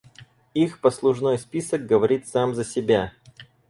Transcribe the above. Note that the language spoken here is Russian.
Их послужной список говорит сам за себя.